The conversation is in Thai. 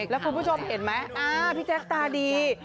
แล้วคุณผู้ชมเห็นไหมพี่แจ๊คตาดี